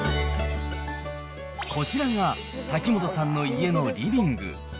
こちらが瀧本さんの家のリビング。